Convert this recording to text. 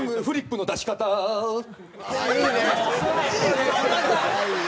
フリップの出し方ー！